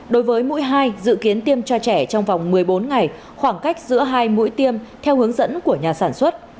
đối với mũi hai dự kiến tiêm cho trẻ trong vòng một mươi bốn ngày khoảng cách giữa hai mũi tiêm theo hướng dẫn của nhà sản xuất